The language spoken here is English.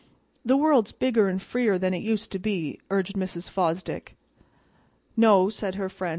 The world's bigger an' freer than it used to be," urged Mrs. Fosdick. "No," said her friend.